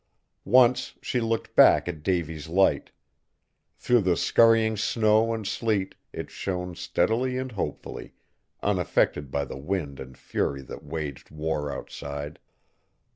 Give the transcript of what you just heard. Once she looked back at Davy's Light. Through the scurrying snow and sleet it shone steadily and hopefully, unaffected by the wind and fury that waged war outside.